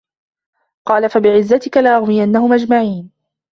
قالَ فَبِعِزَّتِكَ لَأُغوِيَنَّهُم أَجمَعينَ